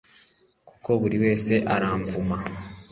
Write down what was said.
kuko buri wese aramvuma